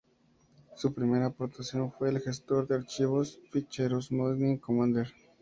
Su primera aportación fue el gestor de archivos o ficheros "Midnight Commander".